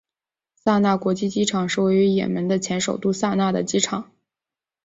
萨那国际机场是位于也门的前首都萨那的机场。